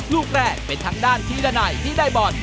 ลูกแรกเป็นทางด้านธีรนัยที่ได้บอล